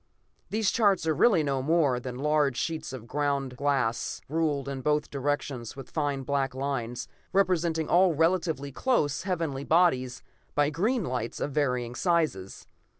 These charts are really no more than large sheets of ground glass, ruled in both directions with fine black lines, representing all relatively close heavenly bodies by green lights of varying sizes.